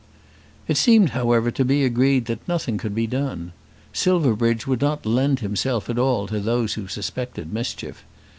It seemed however to be agreed that nothing could be done. Silverbridge would not lend himself at all to those who suspected mischief.